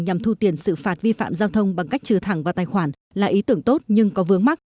nhằm thu tiền xử phạt vi phạm giao thông bằng cách trừ thẳng vào tài khoản là ý tưởng tốt nhưng có vướng mắt